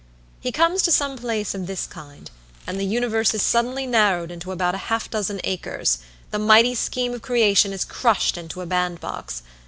He comes to some place of this kind, and the universe is suddenly narrowed into about half a dozen acres; the mighty scheme of creation is crushed into a bandbox.